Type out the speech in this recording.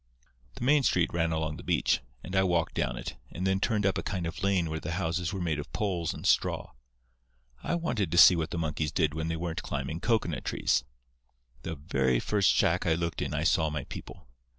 "The main street ran along the beach, and I walked down it, and then turned up a kind of lane where the houses were made of poles and straw. I wanted to see what the monkeys did when they weren't climbing cocoanut trees. The very first shack I looked in I saw my people.